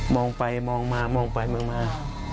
มองไปมองมามองไปมองมา